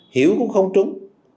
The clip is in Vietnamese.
hiểu cũng không trúng